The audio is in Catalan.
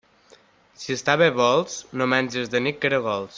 Si estar bé vols, no menges de nit caragols.